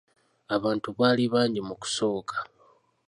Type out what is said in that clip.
Abantu baali bangi mu kusooka.